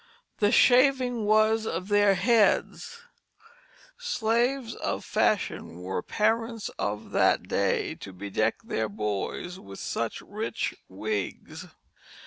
The shaving was of their heads. Slaves of fashion were parents of that day to bedeck their boys with such rich wigs.